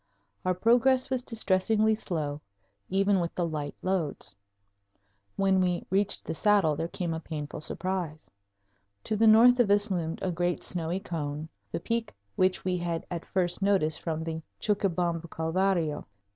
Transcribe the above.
Our progress was distressingly slow, even with the light loads. When we reached the saddle there came a painful surprise. To the north of us loomed a great snowy cone, the peak which we had at first noticed from the Chuquibamba Calvario.